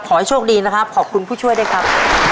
ขอให้โชคดีนะครับขอบคุณผู้ช่วยด้วยครับ